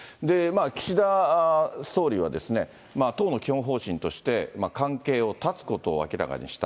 岸田総理はですね、党の基本方針として、関係を絶つことを明らかにした。